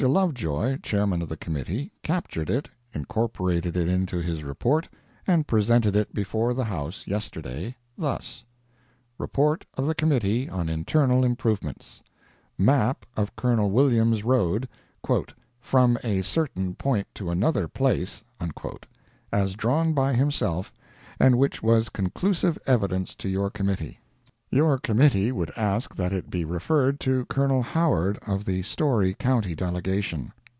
Lovejoy, Chairman of the Committee, captured it, incorporated it into his report, and presented it before the House yesterday, thus: REPORT OF THE COMMITTEE ON INTERNAL IMPROVEMENTS Map of Col. Williams' road "from a certain point to another place," as drawn by himself, and which was conclusive evidence to your Committee: Your committee would ask that it be referred to Col. Howard of the Storey county delegation.